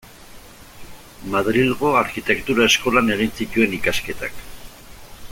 Madrilgo Arkitektura Eskolan egin zituen ikasketak.